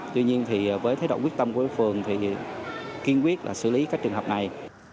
tuy nhiên với thế độ quyết tâm của văn phường thì kiên quyết xử lý các trường hợp này